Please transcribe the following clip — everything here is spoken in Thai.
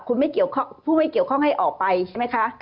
คุณไม่เกี่ยวข้องผู้ไม่เกี่ยวข้องให้ออกไปใช่ไหมคะ